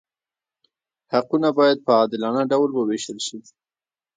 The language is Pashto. حقونه باید په عادلانه ډول وویشل شي.